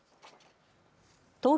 東京